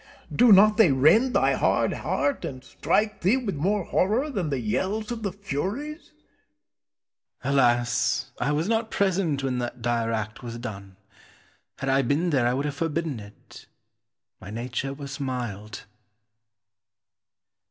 Do not they rend thy hard heart, and strike thee with more horror than the yells of the furies? Cortez. Alas! I was not present when that dire act was done. Had I been there I would have forbidden it. My nature was mild.